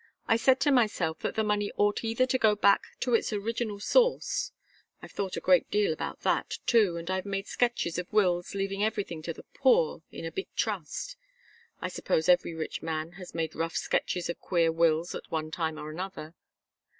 I said to myself that the money ought either to go back to its original source I've thought a great deal about that, too, and I've made sketches of wills leaving everything to the poor, in a big trust I suppose every rich man has made rough sketches of queer wills at one time or another."